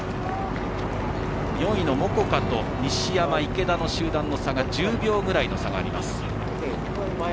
４位のモコカ、西山、池田の集団が１０秒ぐらいの差があります。